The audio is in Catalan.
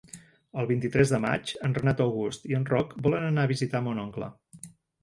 El vint-i-tres de maig en Renat August i en Roc volen anar a visitar mon oncle.